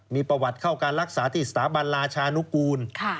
มีประวัติเข้าการรักษาที่สถาบันราชานุกูล